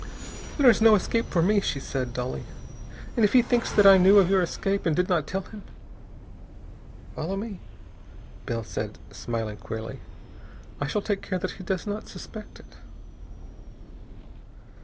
"There is no escape for me," she said dully, "and if he thinks that I knew of your escape and did not tell him...." "Follow me," said Bell, smiling queerly. "I shall take care that he does not suspect it."